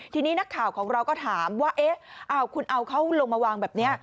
ทีนี้นักข่าวของเราก็ถามว่าเอ๊ะเอาคุณเอาเขาลงมาวางแบบนี้